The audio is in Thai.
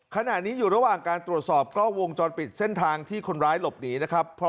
ขณะนี้อยู่ระหว่างการตรวจสอบกล้องวงจรปิดเส้นทางที่คนร้ายหลบหนีนะครับ